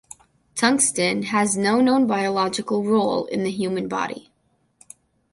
Tungsten has no known biological role in the human body.